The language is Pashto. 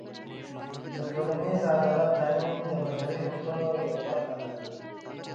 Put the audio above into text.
د ټولنیز عدالت تأمین د بشري حقونو یوه برخه ده.